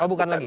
oh bukan lagi